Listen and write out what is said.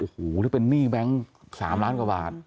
โอ้โหถ้าเป็นหนี้แบงค์๓ล้านกว่าบาท